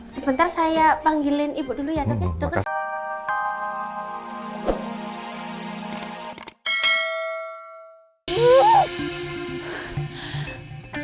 sebentar saya panggilin ibu dulu ya dokter